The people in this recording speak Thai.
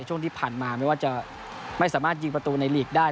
ช่วงที่ผ่านมาไม่ว่าจะไม่สามารถยิงประตูในลีกได้